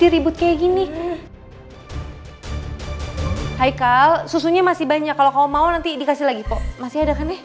ribut kayak gini hai hai kal susunya masih banyak kalau mau nanti dikasih lagi kok masih ada nih